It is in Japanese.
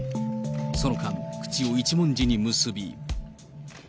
その間、口を一文字に結び。